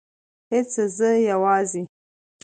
هیڅ زه یوازې